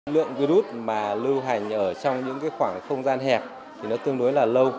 lượng virus mà lưu hành ở trong những khoảng không gian hẹp thì nó tương đối là lâu